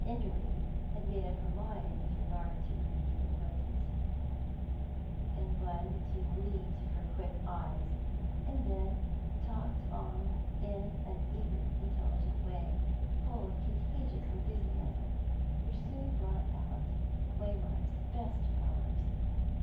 Enderby had made up her mind with regard to her new acquaintance in one or two gleams of her quick eyes, and then talked on in an eager, intelligent way, full of contagious enthusiasm, which soon brought out Waymark's best powers.